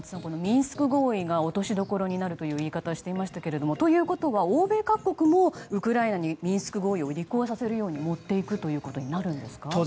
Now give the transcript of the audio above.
ミンスク合意が落としどころになるという言い方をしていましたがということは欧米各国もウクライナにミンスク合意を履行させるように持っていくということになるんですか。